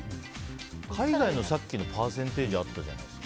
海外のさっきのパーセンテージあったじゃないですか。